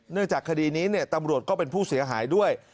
เนื่องจากคดีนี้เนี่ยตำรวจก็เป็นผู้เสียหายด้วย